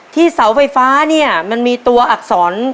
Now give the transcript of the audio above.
เสาไฟฟ้าเนี่ยมันมีตัวอักษร